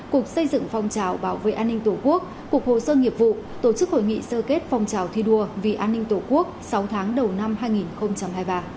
cục xây dựng phòng trào bảo vệ an ninh tổ quốc cục hồ sơ nghiệp vụ tổ chức hội nghị sơ kết phong trào thi đua vì an ninh tổ quốc sáu tháng đầu năm hai nghìn hai mươi ba